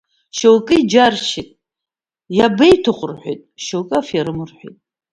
Шьоукы иџьаршьеит иабеиҭаху рҳәеит, шьоукы аферым рҳәеит.